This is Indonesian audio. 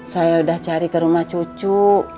saya udah cari ke rumah cucu